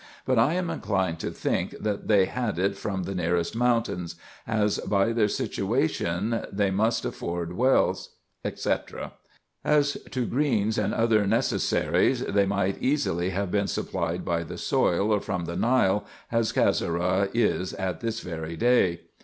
But I am inclined to think, that they had it from the nearest mountains ; as, by their situation, they must afford wells, &c. As to greens and other necessaries, they might easily have been supplied by the soil, or from the Nile, as Cassara is at this very day.